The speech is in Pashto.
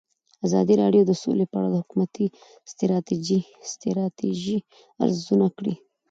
ازادي راډیو د سوله په اړه د حکومتي ستراتیژۍ ارزونه کړې.